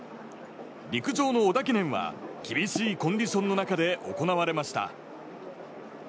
陸上の織田記念は厳しいコンディションの中で行われました。